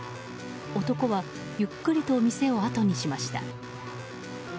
男はゆっくりと店をあとにしました。